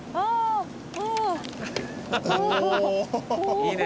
いいね。